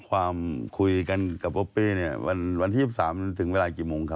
คุยกันกับป๊อปปี้เนี่ยวันที่๒๓ถึงเวลากี่โมงครับ